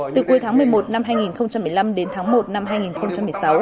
từ cuối tháng một mươi một năm hai nghìn một mươi năm đến tháng một năm hai nghìn một mươi sáu